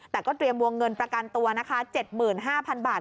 แต่ก็เตรียมวงเงินประกันตัวนะคะ๗๕๐๐๐บาท